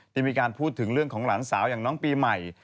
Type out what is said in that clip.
ที่มีการพูดถึงเรื่องของหลานสาวอย่างน้องปีใหม่